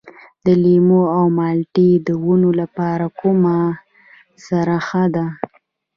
د لیمو او مالټې د ونو لپاره کومه سره ښه ده؟